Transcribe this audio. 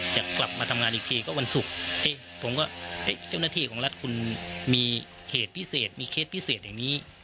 จะกลับมาทำงานอีกทีก็วันศุกร์ผมก็เจ้าหน้าที่ของรัฐคุณมีเขตพิเศษมีเคสพิเศษอย่างนี้